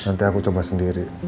nanti aku coba sendiri